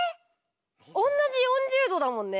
おんなじ４０℃だもんね。